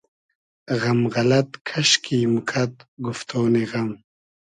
غئم غئلئد کئشکی موکئد گوفتۉنی غئم